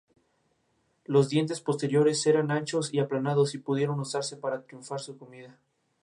Montagu es un destino turístico conocido por sus termas y manantiales minerales.